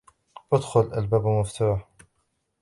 ادخل, الباب مفتوح.